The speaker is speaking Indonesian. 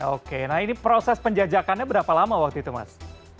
oke nah ini proses penjajakannya berapa lama waktu itu mas